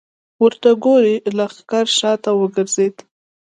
ورته وګورئ! لښکر شاته وګرځېد.